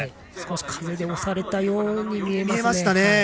少し風で押されたように見えましたね。